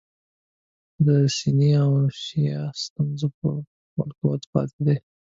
د سني او شیعه ستونزه په خپل قوت پاتې ده.